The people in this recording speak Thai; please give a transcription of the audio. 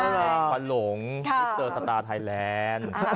ควันหลงมิสเตอร์สตาร์ไทยแลนด์